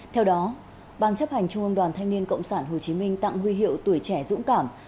theo đó ban chấp hành trung ương đoàn thanh niên cộng sản hồ chí minh tặng huy hiệu tuổi trẻ dũng cảm